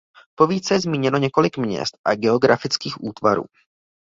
V povídce je zmíněno několik měst a geografických útvarů.